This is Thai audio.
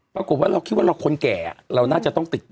ปรากฏว่าเราคิดว่าเราคนแก่เราน่าจะต้องติดต่อ